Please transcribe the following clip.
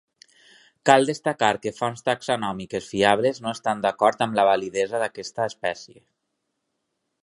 Cal destacar que fonts taxonòmiques fiables no estan d'acord amb la validesa d'aquesta espècie.